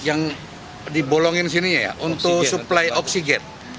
yang dibolongin sini ya untuk suplai oksigen